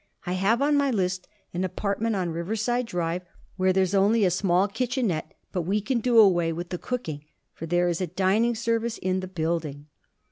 "I have on my list an apartment on Riverside Drive where there's only a small kitchenette; but we can do away with the cooking, for there is a dining service in the building."